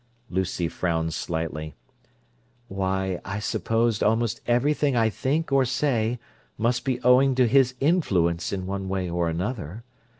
Lucy frowned slightly. "Why, I suppose almost everything I think or say must be owing to his influence in one way or another.